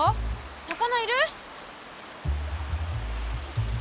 魚いる？